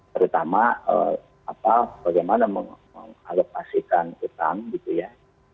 terutama bagaimana mengalokasikan utang gitu ya